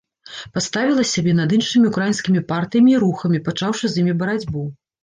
Паставіла сябе над іншымі ўкраінскімі партыямі і рухамі, пачаўшы з імі барацьбу.